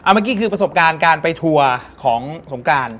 เมื่อกี้คือประสบการณ์การไปทัวร์ของสงการ